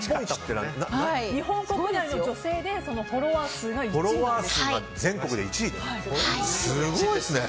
日本国内の女性でフォロワー数が１位です。